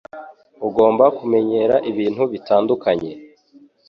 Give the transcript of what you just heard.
Ugomba kumenyera ibintu bitandukanye.